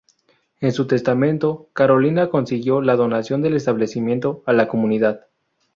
En su testamento Carolina consignó la donación del establecimiento a la comunidad.